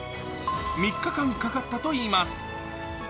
３日間かかったといいます。